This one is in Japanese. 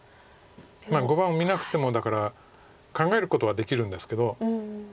碁盤を見なくてもだから考えることはできるんですけど。